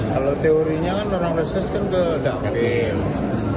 kalau teorinya kan orang reses kan ke dapil